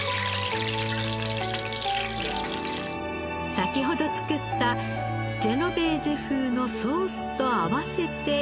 先ほど作ったジェノベーゼ風のソースと合わせて。